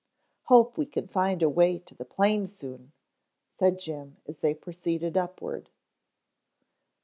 "Hope we can find a way to the plane soon," said Jim as they proceeded upward.